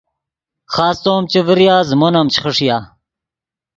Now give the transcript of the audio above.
خاستو ام چے ڤریا زیمون ام چے خݰیا